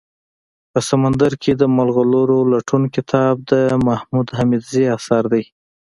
په سمندر کي دملغلرولټون کتاب دمحمودحميدزي اثر دئ